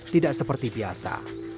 tidak seperti biasa